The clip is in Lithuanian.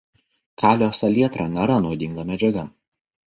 Kalio salietra nėra nuodinga medžiaga.